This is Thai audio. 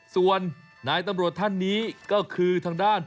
ส่วนนายตำรวจท่านนี้ก็คือทางด้าน